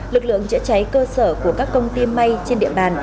lực lượng chữa cháy cơ sở của các công ty may trên địa bàn